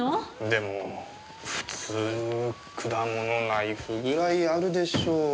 でも普通果物ナイフぐらいあるでしょう？